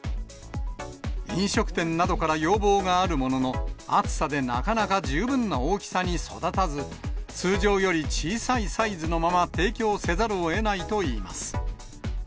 飲食店などから要望があるものの、暑さでなかなか十分な大きさに育たず、通常より小さいサイズのまま、提供せざるをえないといいます。